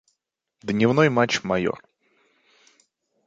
Дневной матч, майор.